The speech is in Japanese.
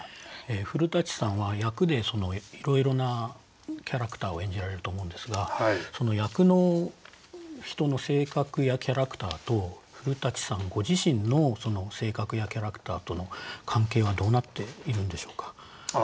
古さんは役でいろいろなキャラクターを演じられると思うんですがその役の人の性格やキャラクターと古さんご自身の性格やキャラクターとの関係はどうなっているんでしょうか？